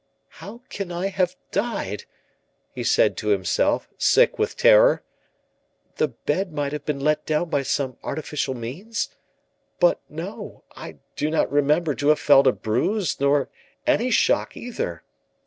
"How can I have died?" he said to himself, sick with terror. "The bed might have been let down by some artificial means? But no! I do not remember to have felt a bruise, nor any shock either.